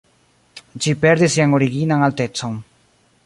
Ĝi perdis sian originan altecon.